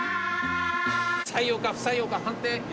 採用か不採用か判定吉川さん